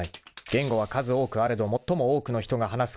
［言語は数多くあれど最も多くの人が話す言葉］